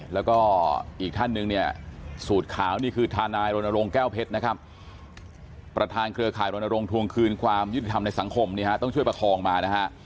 แล้วก็อีกท่านหนึ่งเนี่ยสูตรขาวนี่คือทนายรณรงค์แก้วเพชรนะครับประธานเครือข่ายรณรงค์ทวงคืนความยุติธรรมในสังคมต้องช่วยประคองมานะฮะ